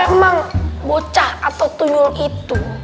kalau memang bocah atau tuyul itu